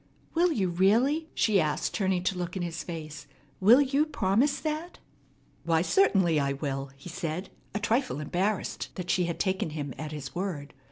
"Will you really?" she asked, turning to look in his face. "Will you promise that?" "Why, certainly I will," he said, a trifle embarrassed that she had taken him at his word.